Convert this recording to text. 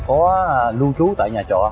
có lưu trú tại nhà trọ